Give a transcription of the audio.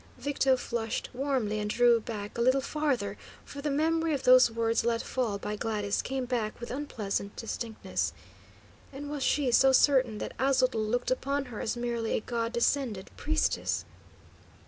Victo flushed warmly and drew back a little farther, for the memory of those words let fall by Gladys came back with unpleasant distinctness. And was she so certain that Aztotl looked upon her as merely a god descended priestess?